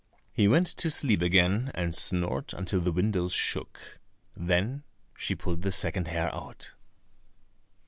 He went to sleep again and snored until the windows shook. Then she pulled the second hair out.